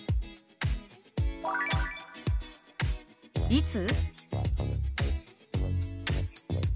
「いつ？」。